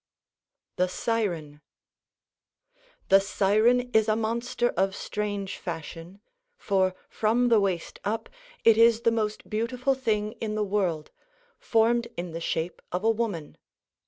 THE SIREN The siren is a monster of strange fashion, for from the waist up it is the most beautiful thing in the world, formed in the shape of a woman.